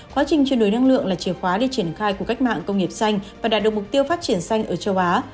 quá trình chuyển đổi năng lượng là chìa khóa để triển khai cuộc cách mạng công nghiệp xanh và đạt được mục tiêu phát triển xanh ở châu á